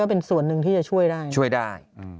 เป็นส่วนหนึ่งที่จะช่วยได้ช่วยได้